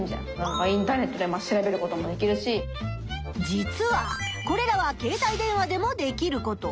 じつはこれらは携帯電話でもできること。